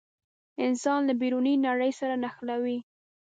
انسان له بیروني نړۍ سره نښلوي.